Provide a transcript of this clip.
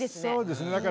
そうですね。